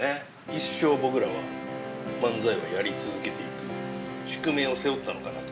一生僕らは漫才をやり続けていく宿命を背負ったのかなと。